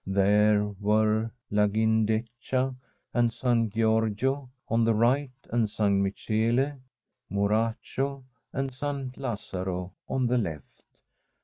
There were La Gindecca and San Giorgio on the right, and San Michele, Muracco and San Lazzaro on the left.